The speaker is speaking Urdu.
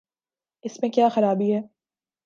اس میں کیا خرابی ہے؟